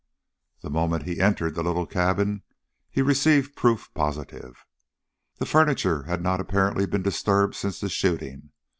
The moment he entered the little cabin he received proof positive. The furniture had not apparently been disturbed since the shooting.